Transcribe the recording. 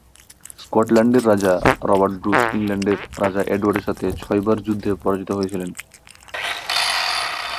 স্কটল্যান্ডের রাজা Robert Bruce ইংল্যান্ডের রাজা এডয়ার্ডের সাথে ছয়বার যুদ্ধে পরাজিত হয়েছিলেন।